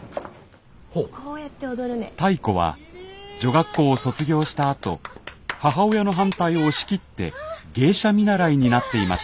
タイ子は女学校を卒業したあと母親の反対を押し切って芸者見習になっていました。